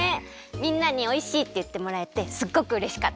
みんなにおいしいっていってもらえてすっごくうれしかった。